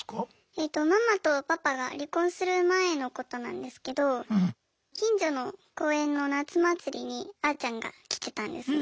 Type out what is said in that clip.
えとママとパパが離婚する前のことなんですけど近所の公園の夏祭りにあーちゃんが来てたんです。